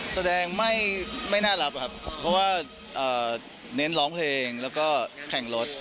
แสดงไม่น่ารับครับเพราะว่าเน้นร้องเพลงแล้วก็แข่งรถ